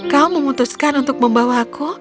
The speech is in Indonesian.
kau memutuskan untuk membawaku